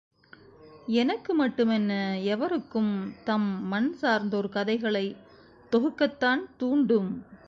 எனக்கு மட்டுமென்ன எவருக்கும் தம் மண் சார்ந்தோர் கதைகளைத் தொகுக்கத் தான் தூண்டும்.